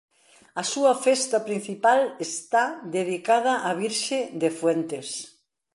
A súa festa principal está dedicada á Virxe de Fuentes.